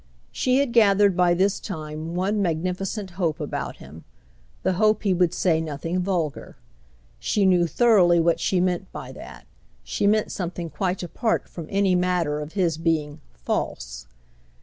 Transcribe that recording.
She had gathered by this time one magnificent hope about him—the hope he would say nothing vulgar. She knew thoroughly what she meant by that; she meant something quite apart from any matter of his being "false."